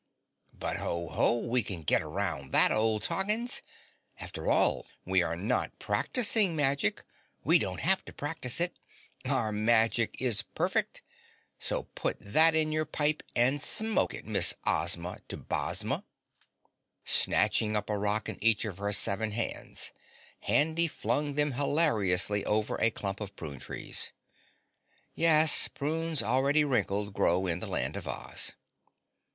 But, ho ho! We can get around that, old Toggins. After all, we are not practicing magic, we don't have to practice it our magic is perfect, so put that in your pipe and smoke it Miss Ozma to Bozma." Snatching up a rock in each of her seven hands, Handy flung them hilariously over a clump of prune trees. (Yes, prunes already wrinkled grow in the Land of Oz.)